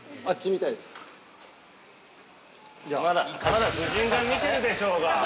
◆まだ夫人が見てるでしょうが！